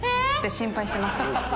⁉心配してます。